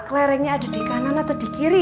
kelerengnya ada di kanan atau di kiri